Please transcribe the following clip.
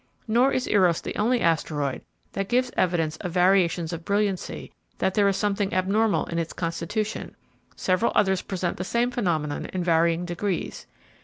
Nor is Eros the only asteroid that gives evidence by variations of brilliancy that there is something abnormal in its constitution; several others present the same phenomenon in varying degrees.